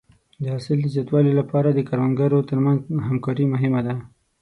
د حاصل د زیاتوالي لپاره د کروندګرو تر منځ همکاري مهمه ده.